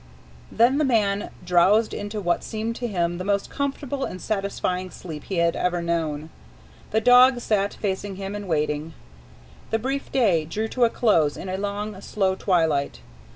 Then the man drowsed off into what seemed to him the most comfortable and satisfying sleep he had ever known. The dog sat facing him and waiting. The brief day drew to a close in a long, slow twilight.